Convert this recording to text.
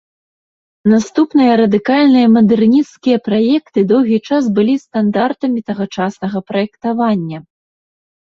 Наступныя радыкальныя мадэрнісцкія праекты доўгі час былі стандартамі тагачаснага праектавання.